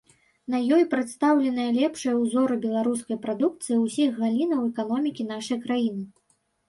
На ёй прадстаўленыя лепшыя ўзоры беларускай прадукцыі ўсіх галінаў эканомікі нашай краіны.